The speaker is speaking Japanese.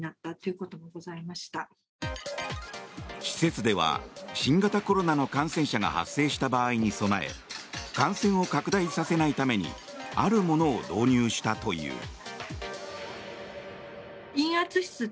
施設では新型コロナの感染者が発生した場合に備え感染を拡大させないためにあるものを導入したという。